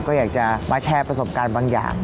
ก็อยากจะมาแชร์ประสบการณ์บางอย่าง